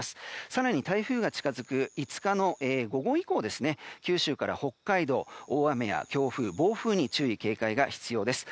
更に台風が近づく５日の午後以降九州から北海道大雨や強風、暴風に注意、警戒が必要です。